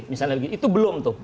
itu belum tuh